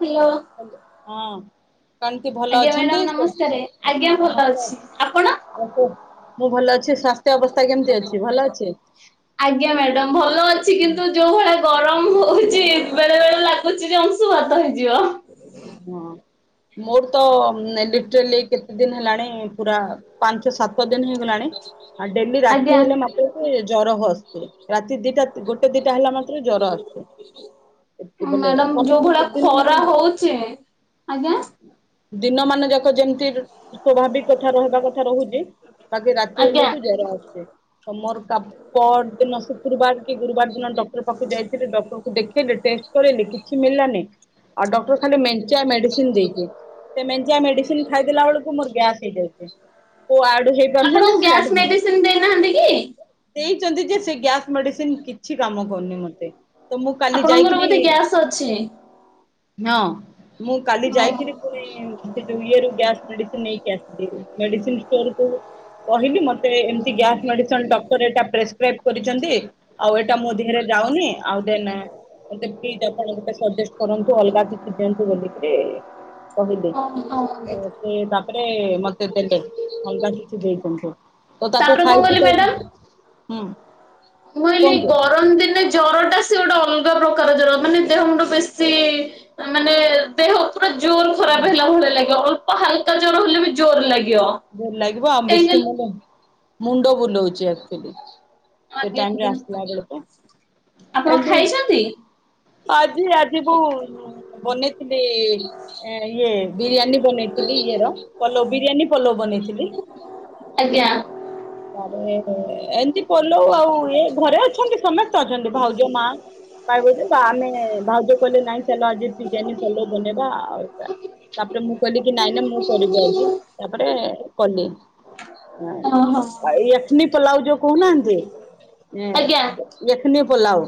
Hello ହଁ କେମିତି ଭଲ ଆଜ୍ଞା ଅଛନ୍ତି? ମ୍ୟାଡାମ ନମସ୍କାର ଆଜ୍ଞା ଭଲ ନମସ୍କାର ଅଛି ଆପଣ ଆଉ କୁହ ମୁଁ ଭଲ ଅଛି। ସ୍ୱାସ୍ଥ୍ୟ ଅବସ୍ଥା କେମିତି ଅଛି ଭଲ ଅଛି? ଆଜ୍ଞା ମ୍ୟାଡାମ ଭଲ ଅଛି କିନ୍ତୁ ଯୋଉ ଭଳିଆ ଗରମ କ ହଉଛି ବେଳେ ବେଳେ ଲାଗୁଛି ଯେ ଅଂଶୁ ଭାତ ହେଇଯିବ ହଁ ମର ତ ଲ ଡେଲି କେତେ ଦିନ ହେଲାଣି ପୁରା ପାଞ୍ଚ ସାତ ଦିନ ହେଇଗଲାଣି ଆଉ ଡେଲି ଆଜ୍ଞା ରାତି ହେଲେ ମତେ ଜର ହସ୍ ରା ଦିଟା ଗୋଟେ ଦିଟା ହେଲା ମାତ୍ର ଜର ଆସୁଛି ବୋ ମ୍ୟାଡାମ ତା ଯୋଉ ଭଳିଆ ଖରା ହଉଛି ଆଜ୍ଞା ଦିନ ମାନ ଯାକ ଯେମିତି ସ୍ଵଭାବିକ କଥା ରହିବା କଥା ରହୁଛି। ବାକି ରାତି ହେଲେ ଆଜ୍ଞା କ ଜରା ଆସୁଛିେ ତ ମୋର କା ପର ଦିନ ଶୁକ୍ରବାର କି ଗୁରୁବାର ଦିନ ଡକ୍ଟର ପାଖକୁ ଯାଇଥିଲେ ଡକ୍ଟରକୁ ଦେଖି ଟ କରଲେ କିଛି ମିଳିଲାନି ଆଉ ଡକ୍ଟର ଖାଲି ମଡିସି ମେଡିସି ଖାଇଦେଲା ବେଳକୁ ମୋର ଗ୍ୟାସ୍ ଠିକ ଅ ଓ ଆ ଆପଣଙ୍କୁ ଗ୍ୟାସ୍ ମେଡିସିନ ଦେଇନାହାନ୍ତି କି? ଛନ୍ତି ଯେ ସେ୍ଞ ମେସିନ୍ କିଛି କାମ ବ ଆପଣଙ୍କର ବୋଧେ ଗ୍ୟାସ୍ ଅଛି। ହଁ ମୁଁ କାଳି ଓ ଯାଇକିରି ପୁଣି ସେଠୁ ୟେ ରୁ ଗ୍ୟାସ୍ ମେଡିସିନ ନେଇକି ଆସିଳି ମେଡିସିନ ଷ୍ଟୋର କୁ କହିଲି ମତେ ଏମତି ଗ୍ୟାସ୍ ମେଡିସିନ ଡକ୍ଟର ଏଟା ପ୍ରେସକ୍ରାଇବ କରିଛନ୍ତି। ଆଉ ଏଇଟା ମୋ ଦେହରେ ଯାଉନି ଆଉ ଦେନ ପ୍ଲିଜ଼ ଆପଣ ସଜେଷ୍ଟ କରନ୍ତୁ ଅଲଗା କିଛି ବଲିକରି କହିଳି ତ ଓ ସେ ତାପରେ ମତେ ଦେଲେ ହଲଗା କିଛି ଦେଇଦଛନ୍ତି ତ ତାକୁ ତାପରେ କଣ ଖାଇକି କହିଲେ ହଁ ମ୍ୟାଡାମ? ମୁଁ କହିଲି ଗରମ ଦିନେ ଜର ଟା ସେ ଗୋଟେ ଅଲଗା ପ୍ରକାର ପ୍ରକାରର ମାନେ ଦେହ ମୁଣ୍ଡ ବେଶୀ ମାନେ ଦେହ ପୁରା ଜୋର ହୁଁ ଖରାପ ହେଲା ଭଳିଆ ଲାଗେ ହଲକା ଜୋର ହେଲେ ବି ଜୋର ଲାଗେ ଜର ଲାଗିବ [inaudible] ମୁଣ୍ଡ ବୁଲଉଛି ଆକଚଲି ସେ ଆଜ୍ଞା ଟାଇମରେ ଆଜ୍ଞା ଆସିଲା ବେଳକୁ ଆପଣ ଏମତି ଖାଇଛନ୍ତି? ଆଜି ଆଜି ମୁଁ ବନେଇଥିଲି ଇଏ ବିରିୟାନୀ ବନେଇଥିଲି ଇଏରଲ ପଲ ବିରିୟାନୀ ପଳ ବନେଇଥିଲି। ଆଜ୍ଞା ତାପରେ ଏମିତି ପଲଉ ଆଉ ଇ ଘରେ ଅଛନ୍ତି ସମସ୍ତେ ଅଛନ୍ତି ଭାଉଜ ମା ପାଇବ ଯେ ଆମେ ଭାଉଜ କହିଲେ ନାଇଁ ଚାଲ ଆଜି ବିରିୟାନୀ ପଲଉ ବନେଇବା ଆଉା ତାପରେ ମୁଁ କହିଲି କି ନାଇଁ ନାଇଁ ମୁଁ କରିବି ଆଜି ତାପରେ କଲେ ଓହ ଆ ଏନି [inaudible] ପଲାଉ ଯୋଉ କହୁନାହାନ୍ତି। ଆଜ୍ଞା ଏଁ ଏଖନ [inaudible] ପୋଲା ଓ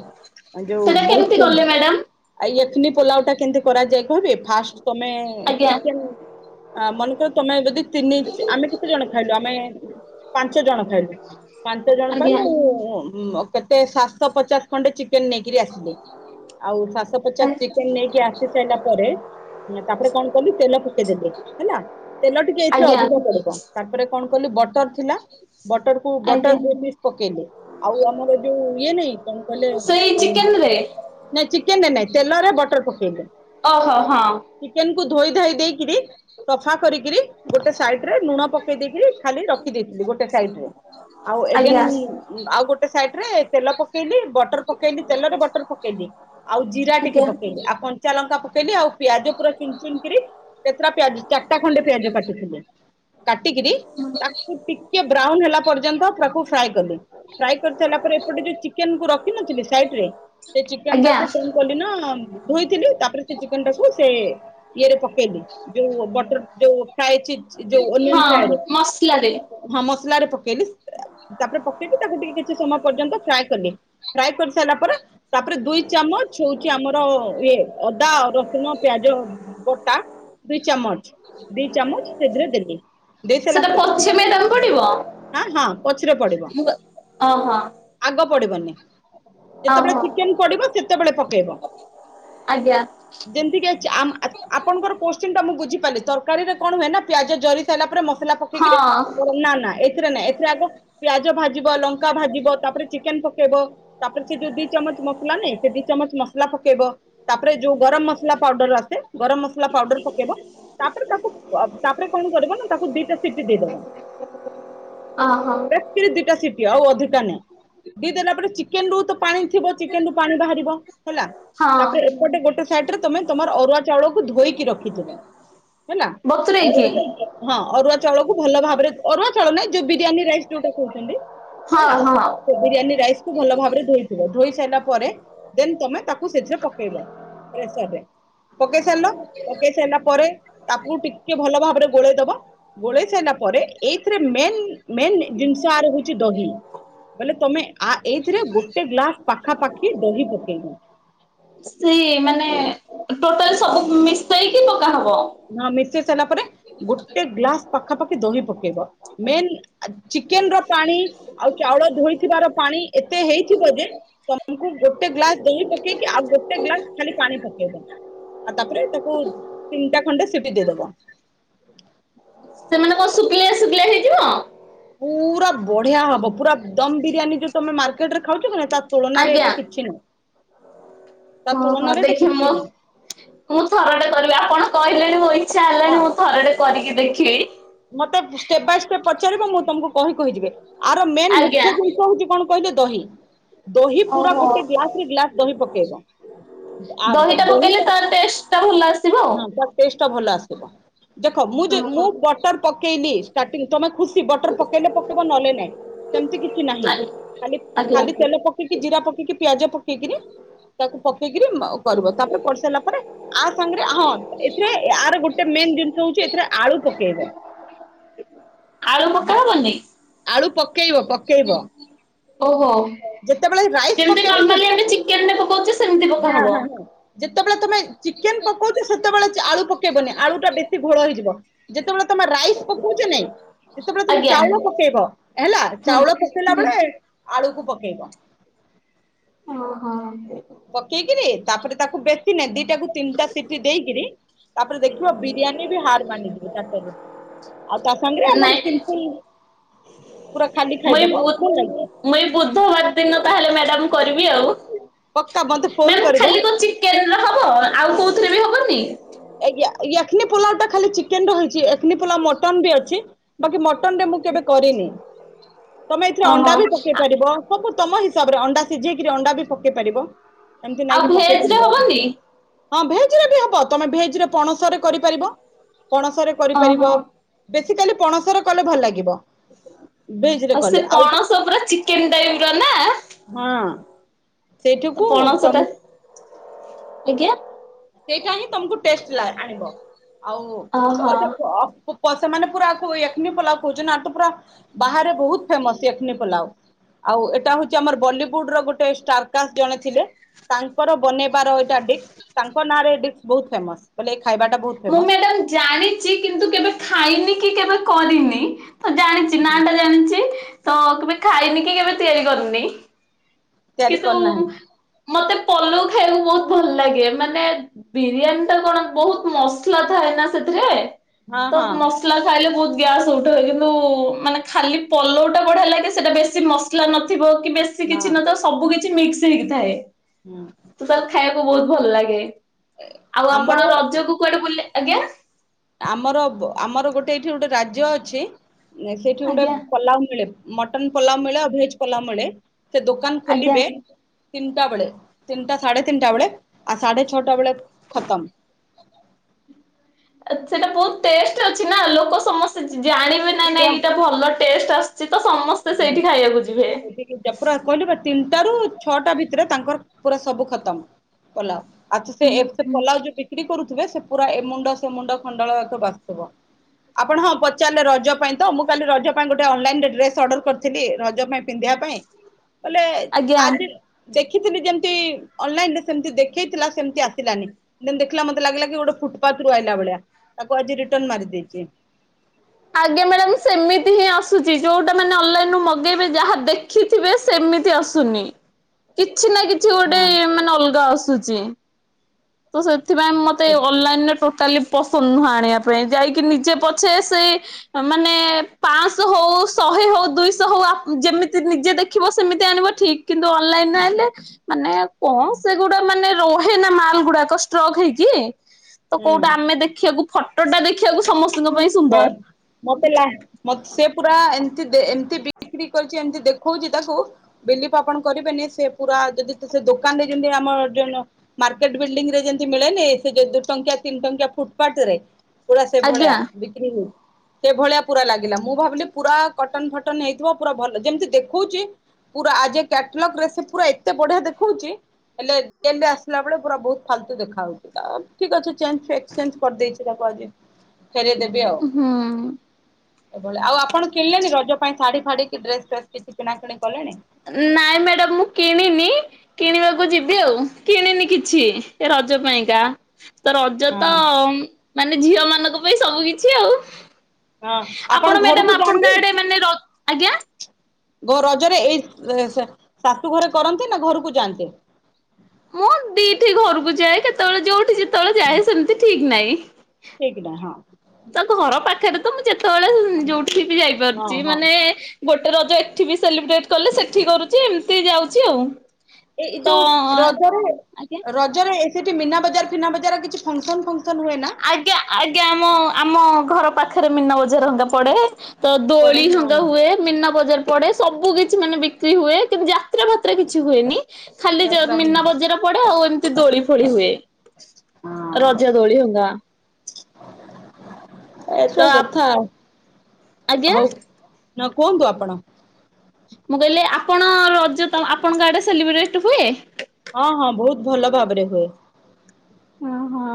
ଯଉ ସେଟା ବହୁତ କେମିତି କଲେ ମ୍ୟାଡାମ? ଆ [inaudible] ଚିକେନ ପୋଲାଉ ଟା କେମିତି କରାଯା ଫାଷ୍ଟ ତମେ ଆଜ୍ଞା ଚିକେନ ହଁ ମଟୋନ ତମେ ଯଦି ତିନି ଆମେ କେତେ ଜଣ ଖାଇଲୁ ଆମେ ପାଞ୍ଚ ଜଣ ଖାଇଲୁ ପାଞ୍ଚ ଜଣ ପାଇ ଆଜ୍ଞା ମୁଁ- କେତେ ସାତଶହ ପଚାଶ ଖଣ୍ଡେ ଚିକେନ ଚିକେନ ନେଇକରି ଆସିଲି ଆଉ ସାତ ଶହ ପଚାଶ ଚିକେନ ନେଇକି ଆସି ସାରିଲା ପରେ ତାପରେ କଣ କଲି ତେଲ ପକେଇଦଲି ହେଲା ତେଲ ଟିକେ ଏଇଥିରେ ଆଜ୍ଞା ଅଧିକ ବଡିବ ତାପରେ କଣ କହଲି ବଟର ବଟର କୁ ବଟର ଆଜ୍ଞା ଦୁଇ ପିସ ପକେଇଲେ ଆଉ ଆମର ଯୋଉ ଇଏ ନାଇଁ କଣ କହିଲେ ସେଇ ଚିକେନ ରେ ନାଇଁ ଚିକେନ ଚିକେନ ରେ ନାଇଁ ତେଲରେ ବଟର ପକେଇଲେ ଓହୋ ହଁ ଚିକେନ କୁ ଧୋଇ ଧୋଇ ଦେଇକିରି ସଫା କରିକିରି ଗୋଟେ ସାଇଟ ରେ ଲୁଣ ପକେଇ ଦେଇେଇକି ଖାଲି ରଖି ଦେଇେଇଥିଲି ଗୋଟେ ସାଇଟରେ ଆଉ ଆଜ୍ଞା ଏଗେନ ଆଉ ଗୋଟେ ସା ସାଇଟ ରେ ତେଲ ପକେଇଲି। ବଟର ପକେଇଲି ତେଲରେ ବଟର ପକେଇଲି ଆଉ ଜିରା ଟିକେ ଆଜ୍ଞା ପକେଇଲି ଆଉ କଞ୍ଚା ଲଙ୍କା ପକେଇଲି ଆଉ ପିଆଜ ପୁରା ଚୁନ୍ ଚୁନ୍ କିରି କେତେଟା ପିଆଜ ଚାରିଟା ଖଣ୍ଡେ ପିଆଜ କାଟିଥିଲି କାଟିକିରି ତାକୁ ଟିକେ ହେଲା ପର୍ଯ୍ୟନ୍ତ ତାକୁ ଫ୍ରାଏ କଲି ଫ୍ରାଏ କରି ସାରିଲା ପରେ ଏପଟେ ଯୋଉ ଚିକେନ କୁ ରଖି ନଥିଲି ସାଇଟରେ ସେ ଚିକେନ ଆଜ୍ଞା ଟାକୁ କଣ କଲି ନା ଧୋଇଥିଲି ତାପରେ ସେ ଚିକେନ ଟାକୁ ସେଏ ଇଏରେ ପକେଇଲି ଯୋଉ ବଟର ଯୋଉ ଖାାଇଛି ଯ -ଯଉଁ ଓନିଅନ୍ ହଁ ଫ୍ରାଏ ରେ ମସଲାରେ ମସଲାରେ ପକ ପକେଇଲି ତାପରେ ପକେଇବି ତାକୁ ଟିକେ କିଛି ସମୟ ପର୍ଯ୍ୟନ୍ତ ଫ୍ରାଏ କଲି ଫ୍ରାଏ କରିସାରିଲା ପରେ ତାପରେ ଦୁଇ ଚାମଚ ହଉଛି ଆମର ଇଏ ଅଦା ରସୁଣ ପିଆଜ ବଟା ଦୁଇ ଚାମଚ ଦି ଚାମଚ ସେଥିରେ ଦେଲି ଦେଇସାଇଲା ସେଟା ପରେ ପଛେ ମ୍ୟାଡାମ [unintelligible] ପଡିବ ହ ହଁ ପଛରେ ପଡିବ ମୁଁ କ ଓହୋ ଆଗ ପଡିବନି ଯେତେବେଳେ ଓହୋ ଚିକେନ ପଡିବ ସେତେବେଳେ ପକେଇବ ଆଜ୍ଞା ଯେମିତିକି ଆ-ଆପଣଙ୍କର କୋ [unintelligible] [unintelligible] ମୁଁ ବୁଝିପାରିଲି ତରକାରୀରେ କଣ ହୁଏ ନା ପିଆଜ ଜରି ସାଇଲା ପରେ ମସ୍ ମସଲା ପକେଇକିରି ହଁ ନା ନା ଏଥିରେ ନାଁ ଏଥିରେ ଆଗ ପିଆଜ ଭାଜ ଜିବ ଲଙ୍କା ଭାଜିବ ତାପରେ ଚିକେନ ପକେଇବ ତାପରେ ସେ ଯୋଉ ଦି ଚାମଚ ମସ୍ ଥିଲା ନାଇ ସେ ଦି ଚାମଚ ମସଲା ପକେଇବ ତାପରେ ଯୋଉ ଗରମ ମସଲା ପାଉଡର ଆସେ ଗରମ ମସଲା ପାଉଡର ପକେଇବ ତାପରେ ତାକୁ ତାପରେ କଣ କର ନା ତାକୁ ଦିଟା ସିଟି ଦେଇଦବ। ଓହୋ [unintelligible] ଦିଟା ସି ଆଉ ଅଧିକା ନାଇଁ ଦି ଦେଲା ପରେ ଚିକେନ ରୁ ତ ପାଣି ଥିବ ଚିକେନ ରୁ ପାଣି ବାହାରିବ ହେଲା ହଁ ତାପରେ ଏପଟେ ଗୋଟେ ସାଇଡ ରେ ତମେ ତମର ଅରୁଆ ଚାଉଳକୁ ଧୋଇକି ରଖିଥିବ ହେଲା ଅରୁଆ ବତୁରେଇକି ଚାଉ ହଁ ଅରୁଆ ଚାଉଳକୁ ଭଲ ଭାବରେ ଅରୁଆ ଚାଉଳ ନାହିଁ ଯୋଉ ବିରିୟାନୀ ରାଇସ୍ ଯୋଉଟା କହୁଛନ୍ତି ହଁ ହେଲା ହଁ ସେ ବିରିୟାନୀ ରାଇସ୍ କୁ ଭଲ ଭାବରେ ଧୋଇଥିଵ ଧୋଇ ସାରିଲା ପରେ ଦେନ୍ ତମେ ତାକୁ ସେଥିରେ ପକେଇବ ପ୍ରେସରରେ ପକେଇ ସାରିଲ ପକେଇ ସାରିଲା ପରେ ତାକୁ ଟିକେ ଭଲ ଭାବରେ ଗୋଳେଇ ଦବ ଗୋଳେଇ ସେ ହେଲା ପରେ ଏଇଥିରେ ମେନ୍ ମେନ୍ ଜିନିଷ ଆର ହଉଛି ଦହି ବୋଇଲେ ତମେ ଆ ଏଇଥିରେ ଗୋଟେ ଗ୍ଲାସ ପାଖାପାଖି ଦହି ପକେଇବ ସେଇ ସେଇକି [unintelligible] ହବ ସିଲା ପରେ ଗୋଟେ ଗ୍ଲାସ ପାଖାପାଖି ଦହି ପକେଇବ ମେନ ଚିକେନ ର ପାଣି ଆଉ ଚାଉଳ ଧୋଇଥିବାର ପାଣି ଏତେ ହେଇଥିବ ଯେ ତମକୁ ଗୋଟେ ଗ୍ଲାସ ଦହି ପକେଇକି ଆଉ ଗୋଟେ ଗ୍ଲାସ ଖାଲି ପାଣି ପକେଇବ ଆଉ ତାପରେ ତାକୁ ତିନିଟା ଖଣ୍ଡେ ସିଠି ଦେଇଦବ ସେମାନେ କଣ ଶୁଖିଲଆ ଶୁଖିଲଆ ହେଇଯିବ ପୁରା ବଢ଼ିଆ ହବ ପୁରା ଦମ ବିରିୟାନୀ ଯୋଉ ତମେ ମାର୍କେଟ ରେ ଖାଉଛ କି ନା ତା ତୁଳନାରେ ଆଜ୍ଞା ଏଟା କିଛି ନୁହଁ ତା ଓହୋ ତୁଳନାରେ ଏଟା ଦେଖି କିଛି ମୋ ନାହିଁ ମୁଁ ଥରଟେ କରିବି ଆପଣ କହିଲେଣି ମୋ ଇଚ୍ଛା ହେଲେଣି ହଁ। ମୁଁ ଥରଟେ କରିକି ଦେଖିଲି ମତେ ଷ୍ଟେପ ବାଇ ଷ୍ଟେପ୍ ପଚାରିବ ମୁଁ ତମକୁ କହି କହି ଯିବେ ଆର ମେନ୍ ଆଜ୍ଞା ମୁଖ୍ୟ ଜିନିଷ ହଉଛି କଣ କହିଲେ ଦହି ଦହି ପୁରା ଓହୋ ଗୋଟେ ଗ୍ଲାସରେ ଗ୍ଲାସ ଦହି ପକେଇବ ଆ ଦହିଟା ଦହି ପକେଇଲେ ତାର ଟେଷ୍ଟ ଟା ଭଲ ଆସିବ ଆଉ ତା ଟେଷ୍ଟ ଭଲ ଆସିବ ଦେଖ ମୁଁ ଯେ ଓହୋ ମୁଁ ବଟର ପକେଇଲି ଷ୍ଟାଷ୍ଟିଙ୍ଗ ତମେ ଖୁସି ବଟର ପକେଇଲେ ପକେଇବ ନହଲେ ନାହିଁ ସେମିତି କିଛି ନାହିଁ ଖାଲି ଆଜ୍ଞା। ଖାଲି ତେଲ ପକେଇକି ଜିରା ପକେଇକି ପିଆଜ ପେକେଇକି ପକେଇକରି ତାକୁ ପକେଇକିରି କରିବ ତାପରେ କରିସାରିଲା ପରେ ଆ ସାଙ୍ଗରେ ହଁ ଏଥିରେ ଆର ଗୋଟେ ମେନ୍ ଜିନିଷ ହଉଛି ଏଥିରେ ଆଳୁ ପକେଇବ ଆଳୁ ପକା ହବନି? ଆଳୁ ପକେଇବ ପକେଇବ ଓହୋ ଯେତେବେଳେ ରାଇସ୍ ଯେମନ୍ତି ପକେଇବ ସେ ନର୍ମାଲି ଚିକେନ ପକଉଛେ ସେମତି ହଁ ପକାହବ ହଁ ହଁ ଯେତେବେଳେ ତମେ ଚିକେନ ପକଉଛ ସେତେବେଳେ ଆଳୁ ପକେଇବନି ଆଳୁ ଟା ବେଶୀ ଘୋଳ ହେଇଯିବ ଯେତେବେଳେ ତମେ ରାଇସ ପକଉଛ ନାଇଁ ଯେତେବେଳେ ତମେ ଆଜ୍ଞା ଚାଉଳ ପକେଇବ ହେଲା ହୁଁ ଚାଉଳ ପକେଇଲା ହୁଁ ବେଳେ ଆଳୁ କୁ ପକେଇବ ଓହୋ ପକେଇକିରି ତାପରେ ତାକୁ ବେଶୀ ନା ଦିଟା କ ତିନିଟା ଦେଇକିରି ତାପରେ ଦେଖିବ ବିରିୟାନୀ ବି ହାର୍ଡ଼ ମାନିଯିବ ତାଟରେ ଆଉ ତା ସାଙ୍ଗରେେ ଆମର ସିମ୍ପଲ ପୁରା ଖାଲି ମୁଇଁ ଏଇ ଖାଇଦବ ବୁ ଭଲ ଲାଗିବ ମୁଇଁ ବୁଧବାର ଦିନ ତାହେଲେ ମ୍ୟାଡ଼ାମ କରିବି ଆଉ ପକ୍କା ମତେ ଫୋନ ମ୍ୟାମ ଖାଲି କରିବ କ ଚିକେନ ହବ ଆଉ କୋଉ [unintelligible] ହବନି। ଆଜ୍ଞା ଆଜ୍ଞା ଏକ୍ନି ପୋଲାଓ ଟା ଖାଲି ଚିକେନ ରହିଛି ଏକ୍ନି ପୋଲାଓ ମଟନ ବି ଅଛି ବାକି ମଟନ ରେ ମୁଁ କେବେ କରିନି ତମେ ଏଥିରେ ଓହୋ। ଅଣ୍ଡା ବି ପକେଇ ପାରିବ ତମ ହିସାବରେ ଅଣ୍ଡା ସିଝେଇକିରି ଅଣ୍ଡା ବି ପକେଇ ପାରିବ। ଏମିତି ନାଇଁ ଆଉ କି ପକେଇ ଭେଜ ରେ ପାରିବ ହବନି? ହଁ ଭେଜରେ ବି ହବ। ତମେ ଭେଜ ପଣସରେ କରିପାରିବ ପଣସରେ ଓହୋ। କରିପାରିବ [unintelligible] ପଣସର କଲେ ଭଲ ଲାଗିବ। ଭେଜ ରେ ଆଉ ସେ କଲେ ପଣସ ପୂରା ଚିକେନ ଟାଇପ ର ନା ହଁ ତ ସେଇଠିକୁ ପଣସ ଟା ତମକୁ ଆଜ୍ଞା ସେଇଟା ହିଁ ତମକୁ ଟେଷ୍ଟ ଲା ଆଣିବ ଆଉ ଓହୋ। [unintelligible] ପ ସେମାନେେ ପୁରା କୁ ଏକ୍ନି ପୋଲାଉ କହୁଛ ନାଠୁ ପୁରା ବାହାରେ ବହୁତ ଫେମସ ଏକ୍ନି ପୋଲାଓ ଆଉ ଏଇଟା ହଉଛି ଆମର ବଲିଉଡ ର ଗୋଟେ ଷ୍ଟାରକାଷ୍ଟ ଜଣେ ଥିଲେ ତାଙ୍କର ବନେଇବାର ଏଇଟା ଡିକ ବହୁତ ଫେମସ ଖାଇବାଟା ବହୁତ ମୁଁ ଫେମସ। ମ୍ୟାଡ଼ାମ ଜାଣିଚି କିନ୍ତୁ କେବେ ଖାଇନି କି କେବେ କରିନି। ତ ଜାଣିଚି ନା ଟା ଜାଣିଚି। ତ କେବେ ଖାଇନି କି କେବେ ତିଆରି କରିନି। ତିଆରି କିନ୍ତୁ କରିନାହିଁ ମତେ ପଲଉ ଖାଇବାକୁ ବହୁତ ଭଲ ଲାଗେ ମାନେ ବିରିୟାନୀ ଟା କଣ ବହୁତ ମସଲା ଥାଏ ନା ସେଥିରେ ହଁ ତ ହଁ ମସଲା ଖାଇଲେ ବ ଗ୍ୟାସ ଉଠାଏ କିନ୍ତୁ ମାନେ ଖାଲି ପଲଉଟା ବଢିଆ ଲାଗେ ସେଟା ବେଶୀ ମସଲା ନଥିବ କି ବେଶୀ ହଁ କିଛି ନ କିଛି ମିକ୍ସ ହେଇକି ଥାଏ। ହୁଁ ତୁ ତାକୁ ଖାଇବାକୁ ବହୁ ଭଲ ଲାଗେ। ଆଉ ଆପଣ ଆମର ରଜ କୁ କୁଆଡେ ବୁଲି ଆଜ୍ଞା ଆମର ଆମର ଗୋଟେ ଏଇଠି ଗୋଟେ ରାଜ୍ୟ ଅଛି। ନା ସେଇଠି ଗୋଟେ ଆଜ୍ଞା। ପଲାଉ ମିଳେ ମଟନ୍ ପୋଲାବ ମିଳେ ଆଉ ଭେଜ ପୋଲାବ ମିଳେ ସେ ଦୋକାନ ଆଜ୍ଞା। ଖୋଲିବେ ତିନିଟା ବେଳେ ତିନିଟା ସାଢ଼େ ତିନିଟା ବେଳେ ଆଉ ସାଢେ ଛଅଟା ବେଳେ ଖତମ ସେଇଟା ବହୁତ ଟେଷ୍ଟ ଅଛି ନା ଲୋକ ସମସ୍ତେ ଜାଣିବେ ନାାଇ ନା ଏଇଟା ଭଲ ଟେଷ୍ଟ ଆସିଛି। ହୁଁ ସେତି ଜପୁର କଲି ବର୍ତି ଟ ରୁ ଛଅଟା ଭିତରେ ତାଙ୍କର ପୁରା ସବୁ ଖତମ ପଲା ଆଚଛ ସେ ହୁଁ ଏ ହୁଁ ପଲାଉଉ ବିକ୍ରି କରୁଛି। ସେ ପୁରା ଏ ମୁଣ୍ଡ ମୁଣ୍ଡ ଖଣ୍ଡଳ ବାସୁଥିବ ଆପଣ ହଁ ପଚାରିଲେ ରଜ ପାଇଁ ତ ମୁଁ କାଲି ରଜ ପାଇଁ ଗୋଟେ ଅନଲାଇନ ଡ୍ରେ ଅର୍ର କରିଥିଲି ରଜ ପାଇଁ ପିନ୍ଧିବା ପାଇଁ ବଲେ ଆଜ୍ଞା। ଆଜି ଦେଖିଥିଲି ଯେମତି ଅନଲାଇନରେ ସେ ଦେଖେଇଥିଲା ସେମତି ଆସିଲାନି ଦେଖିଲା ମତେ ଲାଗିଲା କି ଗୋଟେ ଫୁଟପାଥ ରୁ ଆିଲା ଭଳିଆ ତାକୁ ଆଜି ରିଟର୍ ମାରି ଦେଇଛି। ଆଜ୍ଞା ମ୍ୟାଡାମ ସେମିତି ହିଁ ଆସୁଛି ଯୋଉଟା ମାନେ ଅନଲାଇନୁ ମଗେଇବେ ଯାହା ଦେଖିଥିବେ ସେମିତି ଆସୁନି କି? କିଛି ନା କିଛି ଗୋଟେ ହଁ ମାନେ ଅଲଗା ଆସୁଛି। ତସ ଏ ସେଥିପାଇଁ ମୋତେ ଅନନ୍ଲାଇନେ ଟୋ କାଲି ପସନ୍ଦ ନୁହଁ ଆଣିବା ପାଇଁ ଯାଇକି ନିଜେ ପଛେ ସେ ମାନେ ପାଞ୍ଚଶହ ହଉ ଶହେ ହଉ ଦୁଇଶହ ହଉ ଯେମିତି ନିଜେ ଦେଖିବ ସେମିତି ଆଣିବ ଠିକ କିନ୍ତୁ ଅନଲାଇନ ଆଣିଲେ ମାନେ କଣ ସେଗୁଡା ମାନେ ରହେ ନା ମାଲ ଗୁଡାକ ଷ୍ଟ୍ରକ୍ ହେଇକି ତ କୋଉଟା ହୁଁ। ଆମେ ଦେଖିବାକୁ ଫଟ ଟଟା ଦେଖିବାକୁ ସମସ୍ତଙ୍କ ପାଇଁ ସୁନ୍ଦର ମତେଲା ମତ ପୁରା ଏମି ଦେ ଏମିତି ବି ବିକ୍ରି କରିଛି ଏମିତି ଦେଖଉଛି ତାକୁ ବିଲିପ ଆପଣ କରିବେନି ସେ ପୁରା ଯଦି ସେ ଦୋକାନରେ ଯେମିତି ଆମ ମାର୍କେଟ ବିଲ୍ଡିଙ୍ଗ ରେ ଯେମିତି ମିଳେନି ସେ ଦୁଇ ଟଙ୍କିଆ ତିନି ଟଙ୍କିଆ ଫୁଟପାଥ ରେ ପୁରା ସେ ଭଳିଆ ଆଜ୍ଞା ବିକ୍ରି ହି ସେଭଳିଆ ପୁରା ଲାଗିଲା ମୁଁ ଭାବିଲି ପୁରା କଟନ ଫଟନ ହେଇଥିବ ପୁରା ଭଲ ଯେମିତି ଦେଖଉଛି ପୁରା ଆଜି କ୍ୟାଟଲଗ ରେ ସେ ପୁରା ଏତେ ବଢିଆ ଦେଖଉଛି ହେଲେ ଆସିଲା ବେଳେ ପୁରା ବହୁତ ଫାଲତୁ ଦେଖା ହଉଛି ଠିକ ଅଛିଞକ୍ସେଞ୍ଜ କରିଦେଇଛି ତାକୁ ଆଜି ଖରେ ଦେବେଓ ହୁଁ। ଏଭଳି ଆଉପଣ କିଣିଲେି ରଜ ପାଇଁ ଶଢୀ ଫାଡି କି ଡ୍ରେସ ଫ୍ରେସ କିଣା କିିଣି କଲେଣି ନାଇଁ ମ୍ୟାଡାାମ ମୁଁ କିଣିନି କିଣିବାକୁ ଯିବି ଆଉ କିଣିନି କିଛି ରଜ ପାଇଁକା ତ ରଜ ତ ହଁ ମାନେ ଝିଅ ମାନଙ୍କ ପାଇଁ ସବୁ କିଛି ଆଉ ହଁ ଆପଣ ଘରକୁ ମ୍ୟାଡାମ ଯାଆନ୍ତି? ଆପଣଙ୍କା ଆଡେ ମାନେ ର ଆଜ୍ଞା। ଓ ରଜରେ ଏଇ ସେ ସା ଶାଶୁ ଘରେ କରନ୍ତି ନା ଘରକୁ ଯାଆନ୍ତି? ମୁଁ ଦିଠି ଘରକୁ ଯାଏ କେତେବେଳେ ଯୋଉଠି ଯେ ହ ନାଇଁ। ତା ଘର ପାଖରେ ତ ମୁଁ ଯେତେବେଳେ ଯୋଉଠିକି ବି ହଁ ଯାଇପାରୁଛି ହଁ ମାନେ ଗୋଟେ ରଜ ଏଠି ବି ସେଲିବ୍ରେଟ କଲେ ସେଠି କରୁଛି ଏମିତି ଯାଉଛି ଆଉ। ଏଇ ତ ଯୋଉ ରଜରେ ଆଜ୍ଞା ରଜରେ ସେଠି ମୀନା ବଜାର ଫିନା ବଜାର କିଛି ଫଙ୍କସନ ଫ ଆଜ୍ଞା ଆଜ୍ଞା ମୁଁ ଆମ ଘର ପାଖରେ ମୀନା ବଜାର ହେଙ୍କା ପଡେ। ତ ପଡେ ଦୋଳି ହଙ୍ଗା ହଁ ହୁଏ ମୀନା ବଜାର ପଡେ। ସବୁ କିଛି ମାନେ ବିକ୍ରି ହୁଏ କିନ୍ତୁ ଯାତ୍ରା ଫାତ୍ରା କିଛି ହୁଏନି। ଖାଲି ଯ ଯାତ୍ରା ହୁଏ ମୀନା ବଜାର ପଡେ ଆଉ ଏମତି ଦୋଳି ଫୋଳି ହୁଏ। ହଁ ରଜ ଦୋଳି ହଉଛି। ତ ଏସେ ଆପ କଥା ଆଉ। ଆଜ୍ଞା। ନ କୁହନ୍ତୁ ଆପଣ? ମୁଁ କହିଲି ଆପଣ ରଜ ତ ଆପଣଙ୍କ ଆଡେ ସେଲିବ୍ରେଟ ହୁଏ। ହଁ ହଁ ବହୁତ ଭଲ ଭାବରେ ହୁଏ। ଓ ହୋ।